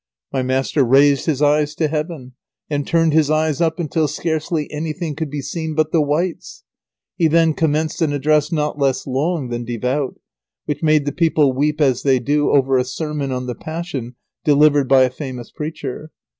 My master raised his hands to heaven, and turned his eyes up until scarcely anything could be seen but the whites. [Sidenote: The farce is carried on to completion.] He then commenced an address not less long than devout, which made the people weep as they do over a sermon on the Passion delivered by a famous preacher.